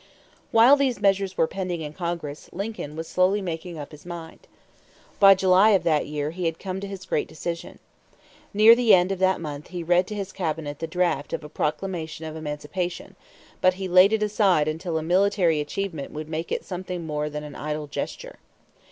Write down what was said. While these measures were pending in Congress, Lincoln was slowly making up his mind. By July of that year he had come to his great decision. Near the end of that month he read to his cabinet the draft of a proclamation of emancipation; but he laid it aside until a military achievement would make it something more than an idle gesture.